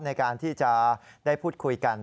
ในการที่จะได้พูดคุยกัน